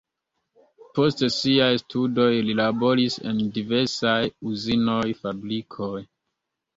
Post siaj studoj li laboris en diversaj uzinoj, fabrikoj.